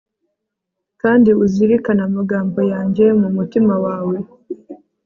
kandi uzirikane amagambo yanjye mu mutima wawe